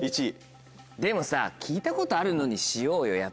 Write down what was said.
でもさ聴いたことあるのにしようよ